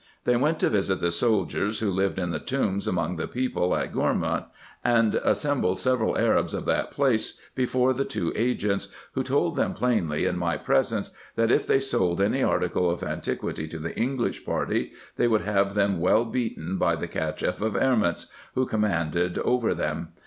They went to visit the soldiers, who lived in the tombs among the people at Gournou, and assembled several Arabs of that place before the two agents, who told them plainly in my presence, that, if they sold any article of antiquity to the English party, they would have them well beaten by the Cacheff of Erments, who commanded over them.